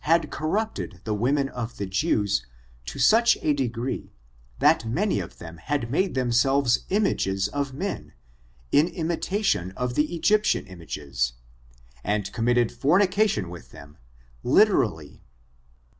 181 had corrupted the women of the Jews to such a de gree that many of them had made themselves images of men, in imitation of the Egyptian images, and committed fornication with them,, literally.